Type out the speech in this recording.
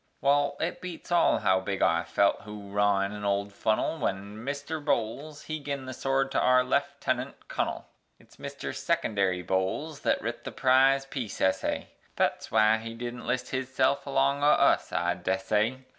Wal, it beats all how big I felt hoorawin' in old Funnel Wen Mister Bolles he gin the sword to our Leftenant Cunnle (It's Mister Secondary Bolles, thet writ the prize peace essay; Thet's wy he didn't list himself along o' us, I dessay).